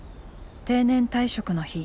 定年退職の日。